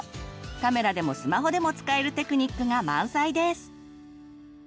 カメラでもスマホでも使えるテクニックが満載です！